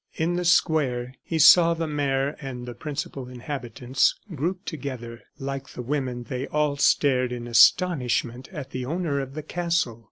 In the square he saw the mayor and the principal inhabitants grouped together. Like the women, they all stared in astonishment at the owner of the castle.